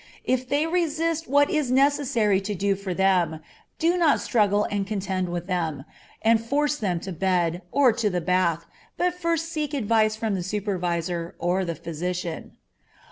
If they resist what is necessary to do for them, do not struggle and contend with them, and force them to bed, or to the bath, but first seek advice from the supervisor, or the physician.